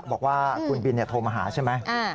บอกว่าคุณบินโทรมาหาใช่ไหม